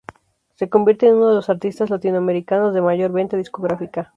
Se convierte en uno de los artistas latinoamericanos de mayor venta discográfica.